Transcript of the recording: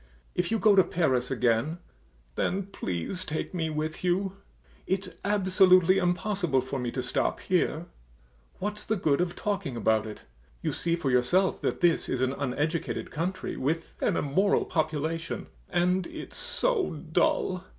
If you go to Paris again, then please take me with you. It's absolutely impossible for me to stop here. [Looking round; in an undertone] What's the good of talking about it, you see for yourself that this is an uneducated country, with an immoral population, and it's so dull.